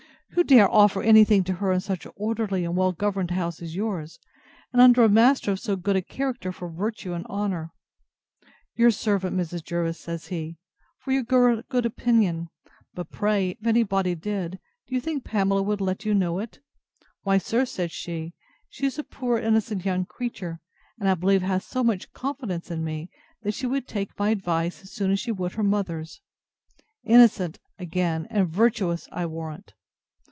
Who dare offer any thing to her in such an orderly and well governed house as yours, and under a master of so good a character for virtue and honour? Your servant, Mrs. Jervis, says he, for your good opinion: but pray, if any body did, do you think Pamela would let you know it? Why, sir, said she, she is a poor innocent young creature, and I believe has so much confidence in me, that she would take my advice as soon as she would her mother's. Innocent! again, and virtuous, I warrant!